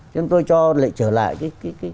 nên tôi cho lại trở lại